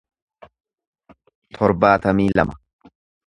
torbaatamii lama